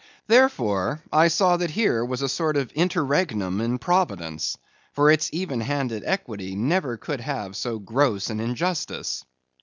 Therefore, I saw that here was a sort of interregnum in Providence; for its even handed equity never could have so gross an injustice.